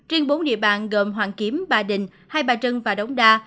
riêng bốn địa bàn gồm hoàng kiếm ba đình hai bà trưng và đống đa